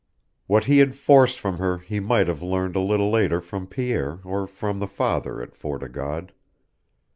What he had forced from her he might have learned a little later from Pierre or from the father at Fort o' God.